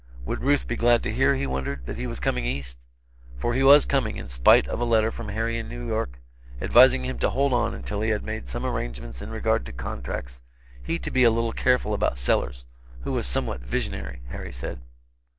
Would Ruth be glad to hear, he wondered, that he was coming East? For he was coming, in spite of a letter from Harry in New York, advising him to hold on until he had made some arrangements in regard to contracts, he to be a little careful about Sellers, who was somewhat visionary, Harry said.